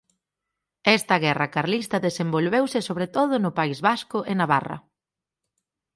Esta guerra carlista desenvolveuse sobre todo no País Vasco e Navarra.